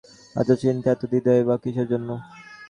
এত চিন্তা, এত দ্বিধাই বা কিসের জন্য?